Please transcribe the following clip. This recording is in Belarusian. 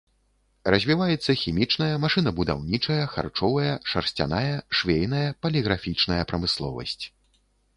Развіваецца хімічная, машынабудаўнічая, харчовая, шарсцяная, швейная, паліграфічная прамысловасць.